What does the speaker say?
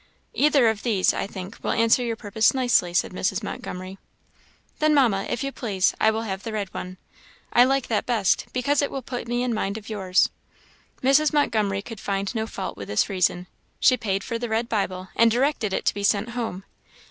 "Either of these, I think, will answer your purpose nicely," said Mrs. Montgomery. "Then, Mamma, if you please, I will have the red one. I like that best, because it will put me in mind of yours." Mrs. Montgomery could find no fault with this reason. She paid for the red Bible, and directed it to be sent home.